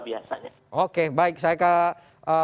biasanya oke baik saya ke